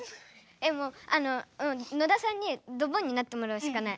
もうあの野田さんにドボンになってもらうしかない！